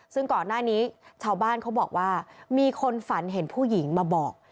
ซึ่งก่อนหน้านี้ชาวบ้านเขาบอกว่ามีคนฝันเห็นผู้หญิงมาบอก